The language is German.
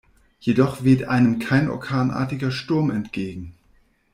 Jedoch weht einem kein orkanartiger Sturm entgegen.